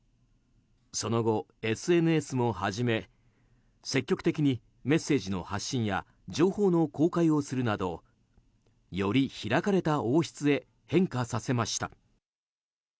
その後、ＳＮＳも始め積極的にメッセージの発信や情報の公開をするなどより開かれた王室へ変化させました。